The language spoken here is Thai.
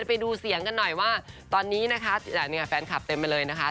ไปดูเสียงกันหน่อยว่าตอนนี้นะคะแฟนคลับเต็มไปเลยนะคะ